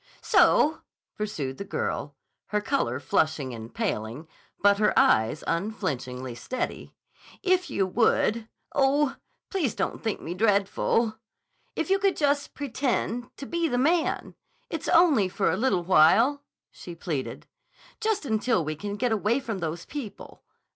"So," pursued the girl, her color flushing and paling, but her eyes unflinchingly steady, "if you would—oh, please don't think me dreadful!—if you could just pretend to be the man! It's only for a little while," she pleaded. "Just until we can get away from those people.